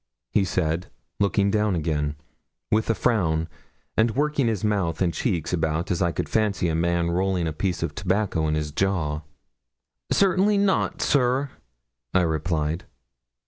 he said, looking down again, with a frown, and working his mouth and cheeks about as I could fancy a man rolling a piece of tobacco in his jaw. 'Certainly not, sir,' I replied.